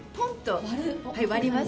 割ります。